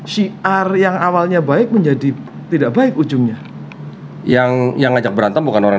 syiar yang awalnya baik menjadi tidak baik ujungnya yang ngajak berantem bukan orang